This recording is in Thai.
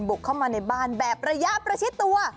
บุกเข้ามาในบ้านแบบระยะประชิดตัว